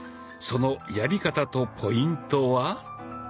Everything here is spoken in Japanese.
そのやり方とポイントは？